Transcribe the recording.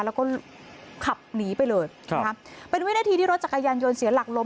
แล้วก็ขับหนีไปเลยครับเป็นวินาทีที่รถจักรยานยนต์เสียหลักล้ม